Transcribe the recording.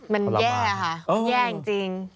มันแย่ค่ะมันแย่จริง